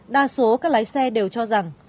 đa số các lái xe đều cho rằng